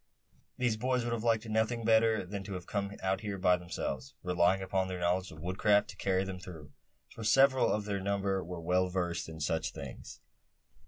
These boys would have liked nothing better than to have come out here by themselves, relying upon their knowledge of woodcraft to carry them through; for several of their number were well versed in such things.